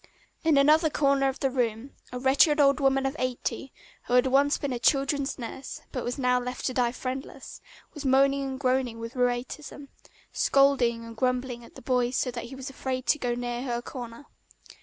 In another corner of the room a wretched old woman of eighty, who had once been a children's nurse but was now left to die friendless, was moaning and groaning with rheumatism, scolding and grumbling at the boy so that he was afraid to go near her corner.